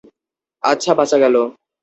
আচ্ছা, বাঁচা গেল!